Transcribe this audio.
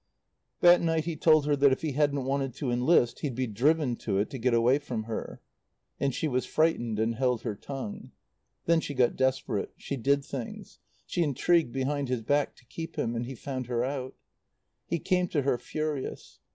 That night he told her that if he hadn't wanted to enlist he'd be driven to it to get away from her. And she was frightened and held her tongue. Then she got desperate. She did things. She intrigued behind his back to keep him; and he found her out. He came to her, furious.